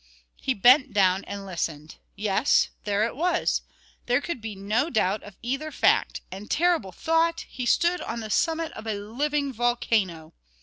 He bent down and listened. Yes! there it was; there could not be a doubt of either fact; and, terrible thought! he stood on the summit of a living volcano.